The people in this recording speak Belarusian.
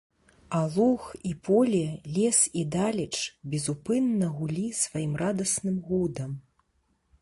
А луг, і поле, лес і далеч безупынна гулі сваім радасным гудам.